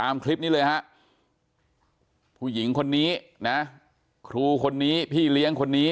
ตามคลิปนี้เลยฮะผู้หญิงคนนี้นะครูคนนี้พี่เลี้ยงคนนี้